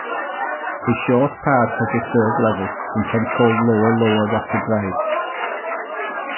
A short part has a third level, sometimes called Lower Lower Wacker Drive.